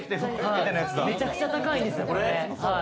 めちゃくちゃ高いんですよ、これ。